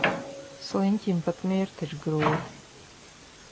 Sliņķim pat mirt ir grūti.